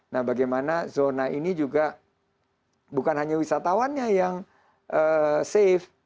nah bagaimana zona ini juga bukan hanya wisatawannya yang safe